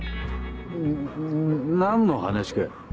ん何の話か？